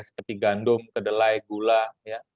seperti gandum kedelai gula ya